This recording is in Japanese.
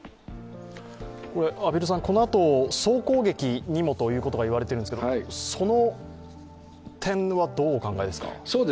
このあと総攻撃にもということが言われているんですけどその点はどうお考えですか。